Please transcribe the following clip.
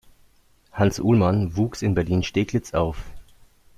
Hans Uhlmann wuchs in Berlin-Steglitz auf.